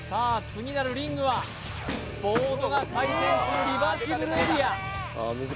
次なるリングはボードが回転するリバーシブルエリア